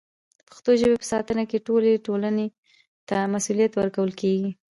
د پښتو ژبې په ساتنه کې ټولې ټولنې ته مسوولیت ورکول کېږي.